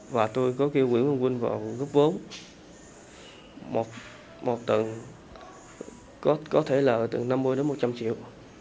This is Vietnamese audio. và tôi có kêu nguyễn văn quân vào gấp vốn một tầng có thể là tầng năm mươi một trăm linh triệu